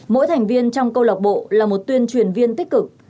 mỗi thành viên trong câu lạc bộ là một tuyên truyền viên tích cực